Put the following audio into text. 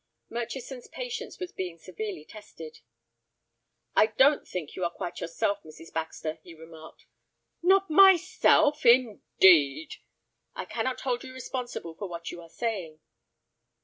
Murchison's patience was being severely tested. "I don't think you are quite yourself, Mrs. Baxter," he remarked. "Not myself, indeed!" "I cannot hold you responsible for what you are saying."